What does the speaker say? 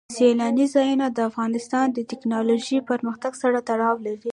سیلانی ځایونه د افغانستان د تکنالوژۍ پرمختګ سره تړاو لري.